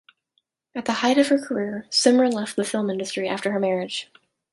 At the height of her career, Simran left the film industry after her marriage.